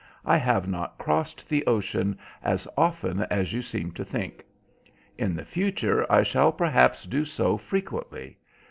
I have not crossed the ocean as often as you seem to think. In the future I shall perhaps do so frequently.